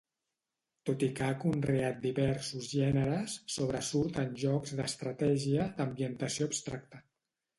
Tot i que ha conreat diversos gèneres, sobresurt en jocs d'estratègia d'ambientació abstracta.